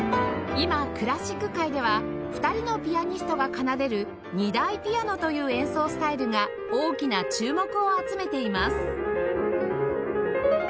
今クラシック界では２人のピアニストが奏でる２台ピアノという演奏スタイルが大きな注目を集めています